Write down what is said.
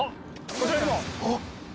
こちらにも。